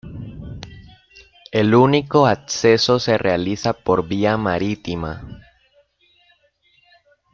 El único acceso se realiza por vía marítima.